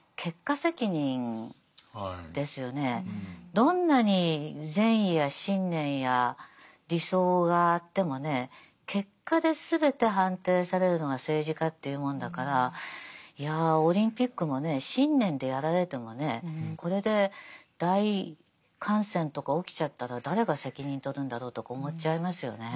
どんなに善や信念や理想があってもね結果ですべて判定されるのが政治家というものだからいやオリンピックもね信念でやられてもねこれで大感染とか起きちゃったら誰が責任取るんだろうとか思っちゃいますよね。